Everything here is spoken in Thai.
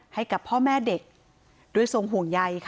ให้กับพ่อแม่เด็กด้วยทรงห่วงใยค่ะ